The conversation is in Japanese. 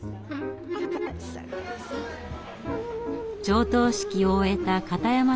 上棟式を終えた片山さん